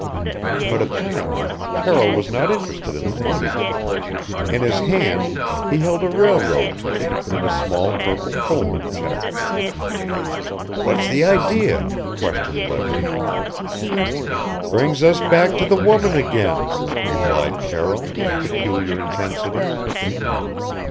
But apparently Carroll was not interested in the money; in his hand he held a railroad ticket and a small purple Pullman check. "What's the idea?" questioned Leverage. "Brings us back to the woman again," replied Carroll, with peculiar intensity.